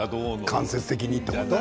間接的にってこと？